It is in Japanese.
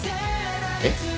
えっ？